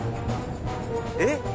えっ？